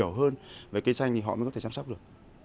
để họ hiểu hơn về cây xanh thì họ mới có thể chăm sóc được